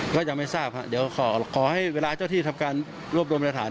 ก็ยังไม่ทราบครับเดี๋ยวขอให้เวลาเจ้าที่ทำการรวบรวมประฐาน